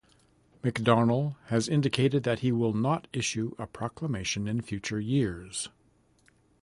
McDonnell has indicated that he will not issue a proclamation in future years.